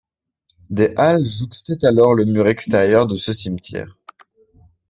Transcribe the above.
Des halles jouxtaient alors le mur extérieur de ce cimetière.